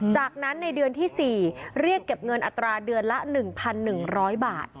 จากนั้นในเดือนที่๔เรียกเก็บเงินอัตราเดือนละ๑๑๐๐บาท